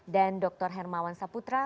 dan dr hermawan saputra